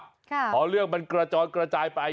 เพราะว่าเรื่องมันกระจอดกระจายไป